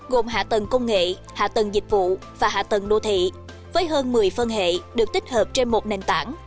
gồm hạ tầng công nghệ hạ tầng dịch vụ và hạ tầng đô thị với hơn một mươi phân hệ được tích hợp trên một nền tảng